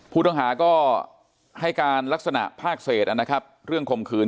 ผู้ต้องหาก็ให้การลักษณะภาคเศษนะครับเรื่องข่มขืน